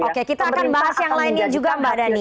oke kita akan bahas yang lainnya juga mbak dhani